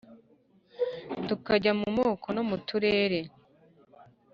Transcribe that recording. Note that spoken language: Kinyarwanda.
tukajya mu moko no mu turere,